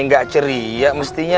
nggak ceria mestinya